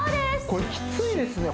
これきついですね